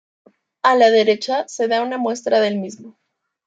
A la derecha se da una muestra del mismo.